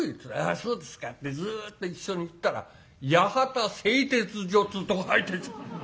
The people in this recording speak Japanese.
「あそうですか」ってずっと一緒に行ったら八幡製鐵所っつうとこ入ってった。